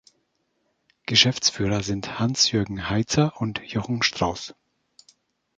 Geschäftsführer sind Hans-Jürgen Heitzer und Jochen Strauß.